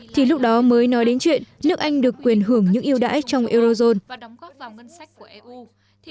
thì lúc đó mới nói đến chuyện nước anh được quyền hưởng những yêu đãi trong eurozone